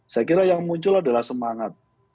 saya kira yang muncul adalah semangat